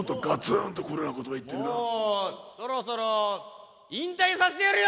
そろそろ引退させてやるよ